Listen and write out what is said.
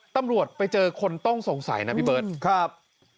ตำรวจไปเจอคนต้องสงสัยนะพี่เบิร์ตครับ